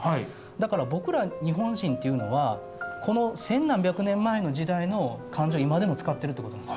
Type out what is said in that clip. だから僕ら日本人っていうのはこの千何百年前の時代の漢字を今でも使ってるってことなんですよ。